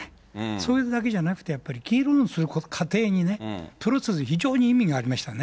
それだけじゃなくて、やっぱり議論する過程に、プロセス、非常に意味ありましたね。